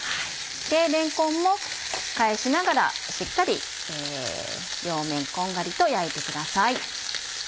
でれんこんも返しながらしっかり両面こんがりと焼いてください。